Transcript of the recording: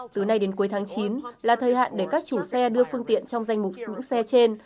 từ nay đến cuối tháng chín là thời hạn để các chủ xe đưa phương tiện trong danh mục những xe trên